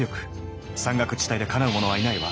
山岳地帯でかなう者はいないわ。